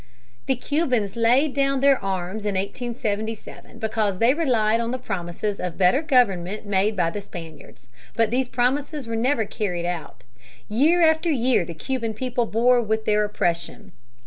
The Cubans laid down their arms in 1877 (p. 372) because they relied on the promises of better government made by the Spaniards. But these promises were never carried out. Year after year the Cuban people bore with their oppression.